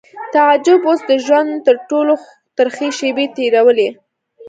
تعجب اوس د ژوند تر ټولو ترخې شېبې تېرولې